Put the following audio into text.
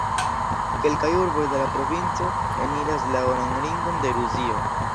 Kelkaj urboj de la provinco eniras la Oran Ringon de Rusio.